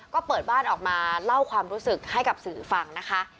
ก็เปิดบ้านออกมาเล่าความรู้สึกให้กับสื่อฟังนะคะ